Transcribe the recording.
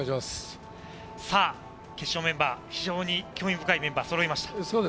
決勝メンバー、非常に興味深いメンバーがそろいました。